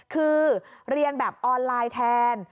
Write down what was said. คือเรียนแบบออนไลน์แทน